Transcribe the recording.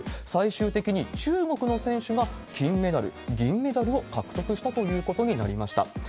最終的に中国の選手が金メダル、銀メダルを獲得したということになりました。